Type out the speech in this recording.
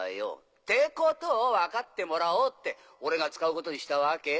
ってことを分かってもらおうって俺が使うことにしたわけ。